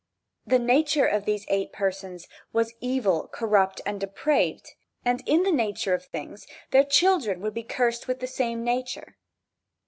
The nature of these eight persons was evil, corrupt and depraved, and in the nature of things their children would be cursed with the same nature.